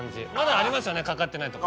ありますよねかかってないとこ。